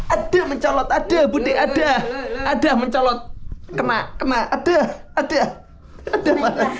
ada mencolot ada budi ada ada mencolot kena kena ada ada